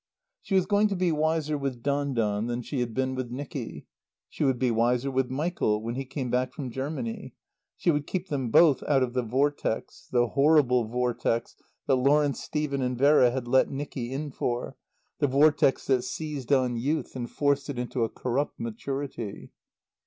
She was going to be wiser with Don Don than she had been with Nicky. She would be wiser with Michael when he came back from Germany. She would keep them both out of the Vortex, the horrible Vortex that Lawrence Stephen and Vera had let Nicky in for, the Vortex that seized on youth and forced it into a corrupt maturity.